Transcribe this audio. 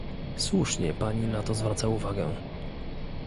Słusznie pani na to zwraca uwagę